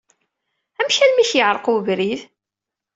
Amek armi i k-yeɛṛeq webrid?